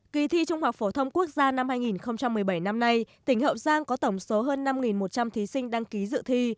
kỳ thi trung học phổ thông quốc gia năm hai nghìn một mươi bảy năm nay tỉnh hậu giang có tổng số hơn năm một trăm linh thí sinh đăng ký dự thi